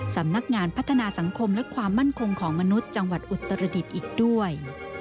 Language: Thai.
สำนักงานพัฒนาสังคมและความมั่นคงของมนุษย์จังหวัดอุตรดิษฐ์อีกด้วย